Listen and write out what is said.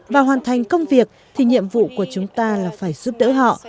và hoàn thành công việc thì nhiệm vụ của chúng ta là phải giúp đỡ họ